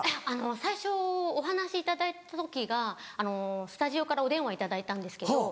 最初お話頂いた時がスタジオからお電話いただいたんですけど。